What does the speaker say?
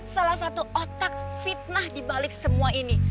salah satu otak fitnah di balik semua ini